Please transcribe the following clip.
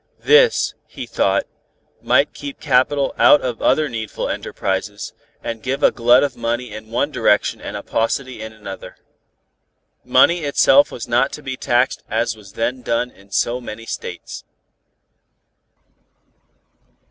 This, he thought, might keep capital out of other needful enterprises, and give a glut of money in one direction and a paucity in another. Money itself was not to be taxed as was then done in so many States.